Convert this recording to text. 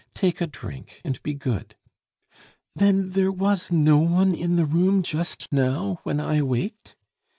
Take a drink and be good " "Then was there no one in the room just now, when I waked?..."